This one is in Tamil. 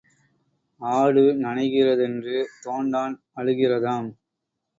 ஆடு நனைகிறதென்று தோண்டான் அழுகிறதாம்.